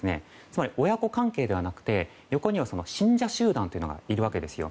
つまり親子関係ではなくて横には信者集団というのがいるわけですよ。